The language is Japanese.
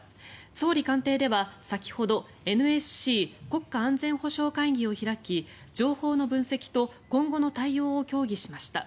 総理官邸では先ほどＮＳＣ・国家安全保障会議を開き情報の分析と今後の対応を協議しました。